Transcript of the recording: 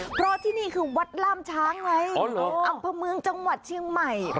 เพราะที่นี่คือวัดล่ามช้างไงอำเภอเมืองจังหวัดเชียงใหม่